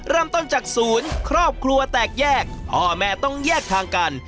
เริ่มต้นจากศูนย์ครอบครัวแตกแยกพ่อแม่ต้องแยกทางกัน